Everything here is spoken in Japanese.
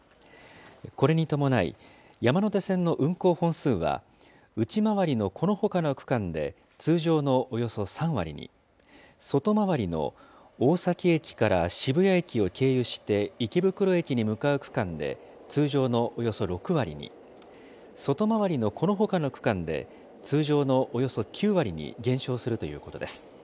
これに伴い、山手線の運行本数は内回りのこのほかの区間で、通常のおよそ３割に、外回りの大崎駅から渋谷駅を経由して、池袋駅に向かう区間で、通常のおよそ６割に、外回りのこのほかの区間で、通常のおよそ９割に減少するということです。